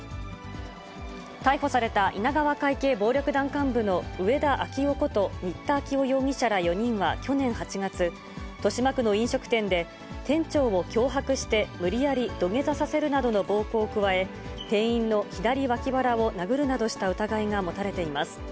逮捕された稲川会系暴力団幹部の植田昭生こと、新田昭生容疑者ら４人は去年８月、豊島区の飲食店で、店長を脅迫して無理やり土下座させるなどの暴行を加え、店員の左わき腹を殴るなどした疑いが持たれています。